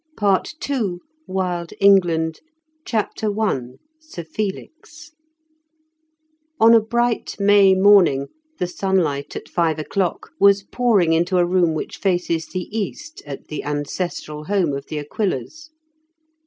Part II WILD ENGLAND CHAPTER I SIR FELIX On a bright May morning, the sunlight, at five o'clock, was pouring into a room which face the east at the ancestral home of the Aquilas.